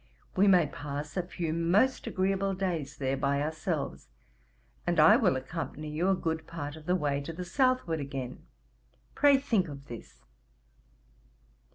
We may pass a few most agreeable days there by ourselves, and I will accompany you a good part of the way to the southward again. Pray think of this.